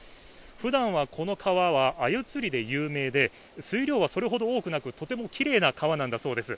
ふだんはこの川は鮎釣りで有名で水量はそれほど多くなく、とてもきれいな川なんだそうです。